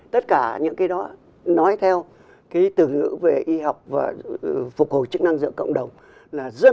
tất cả những cái đó nói theo từ ngữ về y học và phục hồi chức năng r float communication